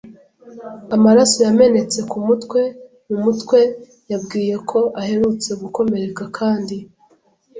amaraso yamenetse kumutwe mumutwe yabwiye ko aherutse gukomereka, kandi